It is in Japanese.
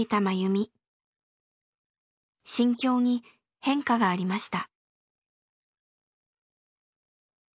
心境に変化がありました。